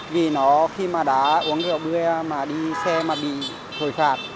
vì nó khi mà đã uống rượu bia mà đi xe mà bị thổi phạt